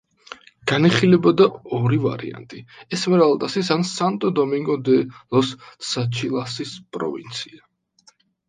განიხილებოდა ორი ვარიანტი: ესმერალდასის ან სანტო-დომინგო-დე-ლოს-ტსაჩილასის პროვინცია.